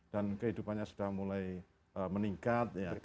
dan kehidupannya sudah mulai meningkat